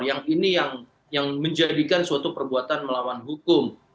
yang ini yang menjadikan suatu perbuatan melawan hukum